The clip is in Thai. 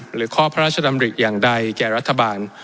หรือข้อพระราชดำริอย่างใดแก่รัฐบาล